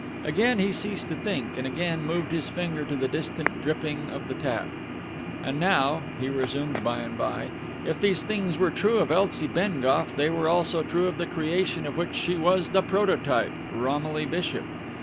Again he ceased to think, and again moved his finger to the distant dripping of the tap.... And now (he resumed by and by), if these things were true of Elsie Bengough, they were also true of the creation of which she was the prototype Romilly Bishop.